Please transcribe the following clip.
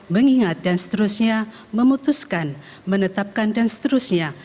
mengingat dan seterusnya memutuskan menetapkan dan seterusnya